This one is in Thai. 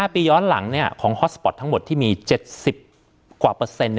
ปีย้อนหลังของฮอตสปอร์ตทั้งหมดที่มี๗๐กว่าเปอร์เซ็นต์